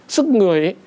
sức người ấy